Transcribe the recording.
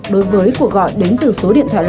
đối với cuộc gọi đến từ số điện thoại lạ